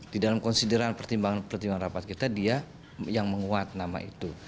di dalam konsideran pertimbangan rapat kita dia yang menguat nama itu